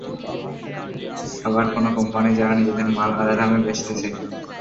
এ আবার কোন কোম্পানি যারা নিজেদের মাল আধা দামে বেচতেছে?